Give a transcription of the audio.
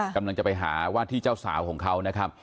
กำลังจะไปหาว่าที่เจ้าสาวของเขานะครับ